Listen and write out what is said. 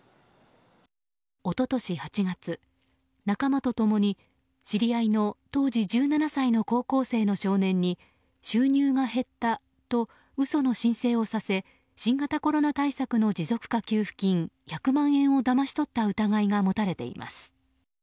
一昨年８月、仲間と共に知り合いの当時１７歳の高校生の少年に収入が減ったと嘘の申請をさせ新型コロナ対策の持続化給付金１００万円をだまし取った疑いが持たれています。